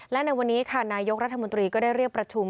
และในวันนี้ค่ะนายกรัฐมนตรีก็ได้เรียกประชุม